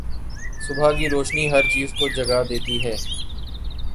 صبح کی روشنی ہر چیز کو جگا دیتی ہے۔